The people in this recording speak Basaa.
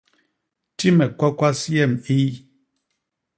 Ti me kwakwas yem iy.